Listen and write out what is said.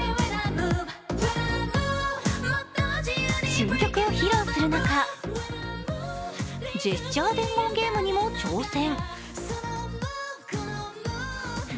新曲を披露する中、ジェスチャー伝言ゲームにも挑戦。